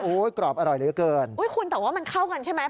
โอ้โหกรอบอร่อยเหลือเกินอุ้ยคุณแต่ว่ามันเข้ากันใช่ไหม